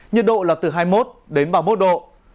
nhiệt độ là từ hai mươi một đến ba mươi một độ